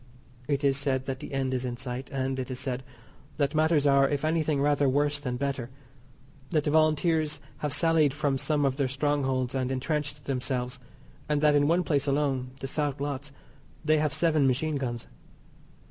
It is said that the end is in sight; and, it is said, that matters are, if anything rather worse than better. That the Volunteers have sallied from some of their strongholds and entrenched themselves, and that in one place alone (the South Lotts) they have seven machine guns.